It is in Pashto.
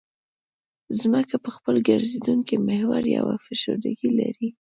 ځمکه په خپل ګرځېدونکي محور یوه فشردګي لري